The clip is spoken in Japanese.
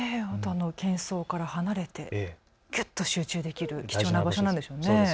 けん騒から離れてきゅっと集中できる貴重な場所なんでしょうね。